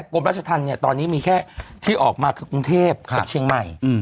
กรมราชธรรมเนี่ยตอนนี้มีแค่ที่ออกมาคือกรุงเทพกับเชียงใหม่